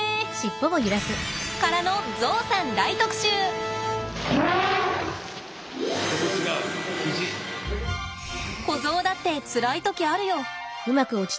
子ゾウだってつらい時あるよ。